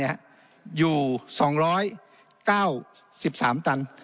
อยู่๒๙๓ตัน